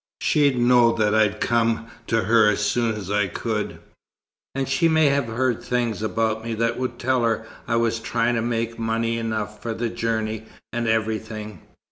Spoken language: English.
"She'd know that I'd come to her as soon as I could and she may have heard things about me that would tell her I was trying to make money enough for the journey and everything.